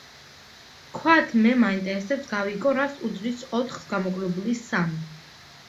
ვთქვათ, მე მაინტერესებს გავიგო რას უდრის ოთხს გამოკლებული სამი.